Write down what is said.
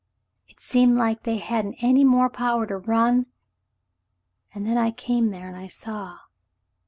It seemed like they hadn't any more power to run — and — then I came there and I saw."